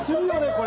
これ。